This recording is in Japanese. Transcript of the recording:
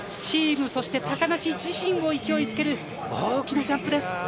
チーム、そして高梨自身を勢いづける大きなジャンプです。